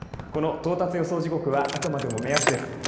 この到達予想時刻はあくまでも目安です。